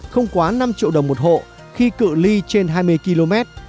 không quá năm triệu đồng một hộ khi cự li trên hai mươi km